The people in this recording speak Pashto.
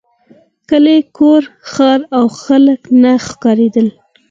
کلی کور ښار او خلک نه ښکارېدل.